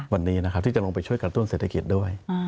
วันนี้นะครับที่จะลงไปช่วยกระตุ้นเศรษฐกิจด้วย